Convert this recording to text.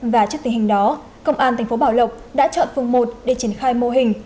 và trước tình hình đó công an thành phố bảo lộc đã chọn phường một để triển khai mô hình